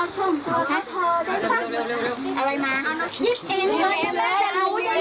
รถถ่ายกล้อง